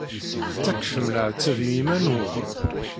Tettakfem leɛtab i yiman-nwen.